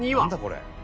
これ。